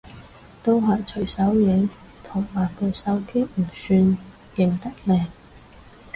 都係隨手影，同埋部手機唔算影得靚